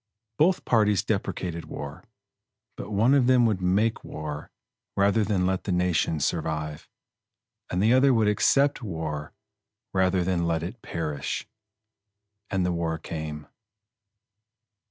Both parties deprecated war; but one of them would make war rather than let the nation survive; and the other would accept war rather than let it perish. And the war came.